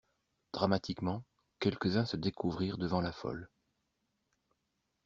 Dramatiquement, quelques-uns se découvrirent devant la folle.